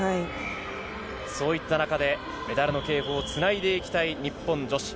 そういった中でメダルをつないでいきたい日本女子。